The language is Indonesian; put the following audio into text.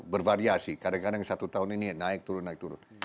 bervariasi kadang kadang satu tahun ini naik turun naik turun